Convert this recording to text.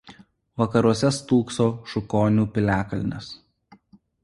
Vakaruose stūkso Šukionių piliakalnis.